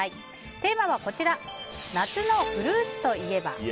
テーマは夏のフルーツといえば。